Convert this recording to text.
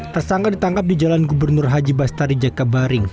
tersangka ditangkap di jalan gubernur haji bastari jaka baring